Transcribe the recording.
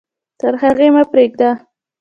تر هغې مه پرېږده.